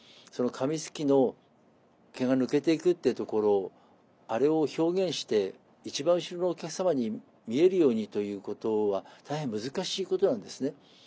その髪梳きの毛が抜けていくっていうところをあれを表現して一番後ろのお客様に見えるようにということは大変難しいことなんですね。